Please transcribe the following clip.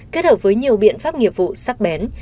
kết hợp với nhiều biện pháp nghiệp vụ sắc bén